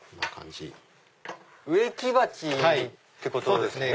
植木鉢ってことですよね。